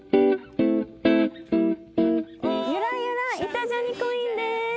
ゆらゆら『イタ×ジャニ』コインです。